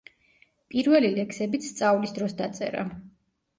პირველი ლექსებიც სწავლის დროს დაწერა.